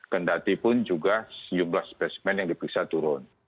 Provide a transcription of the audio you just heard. kendati pun juga jumlah spesimen yang diperiksa turun